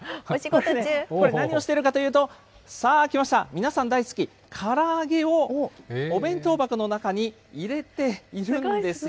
これ、何をしているかというと、さあ、きました、皆さん大好き、から揚げをお弁当箱の中に入れているんですよ。